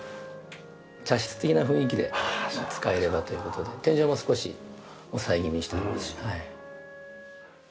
茶室的な雰囲気で使えればという事で天井も少し抑え気味にしておりますし。